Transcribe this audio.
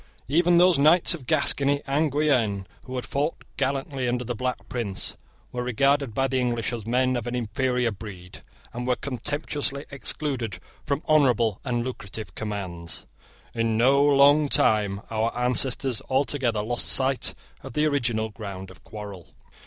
Even those knights of Gascony and Guienne who had fought gallantly under the Black Prince were regarded by the English as men of an inferior breed, and were contemptuously excluded from honourable and lucrative commands. In no long time our ancestors altogether lost sight of the original ground of quarrel.